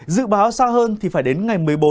dự báo xa hơn thì phải đến ngày một mươi bốn